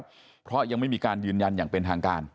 เพราะยังไม่มีการยืนยันอย่างเป็นทางการ